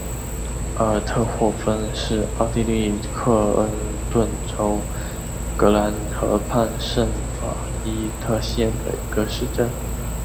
阿尔特霍芬是奥地利克恩顿州格兰河畔圣法伊特县的一个市镇。